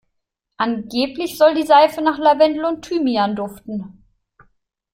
Angeblich soll die Seife nach Lavendel und Thymian duften.